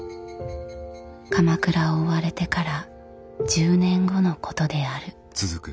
鎌倉を追われてから１０年後のことである。